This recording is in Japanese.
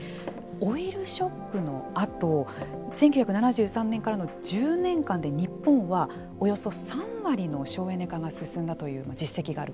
オイルショックのあと１９７３年からの１０年間で日本は、およそ３割の省エネ化が進んだという実績がある。